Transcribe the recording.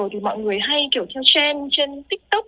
thì mọi người hay kiểu theo trend trên tiktok